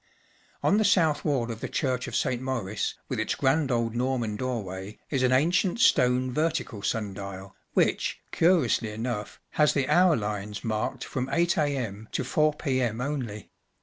On the south wall of the church of St. Maurice, with its grand old Norman door way, is an ancient stone vertical sun dial, which, curiously enough, has the hour lines marked from 8 a.m, to 6 io the STRAND MAGAZINE. 4 p.m. only.